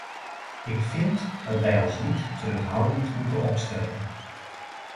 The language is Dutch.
Ik vind dat wij ons niet terughoudend moeten opstellen.